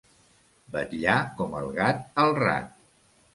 Vetllar com el gat al rat.